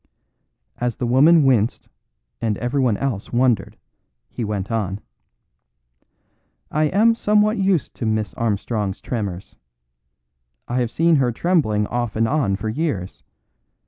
As the woman winced and everyone else wondered, he went on: "I am somewhat used to Miss Armstrong's tremors. I have seen her trembling off and on for years.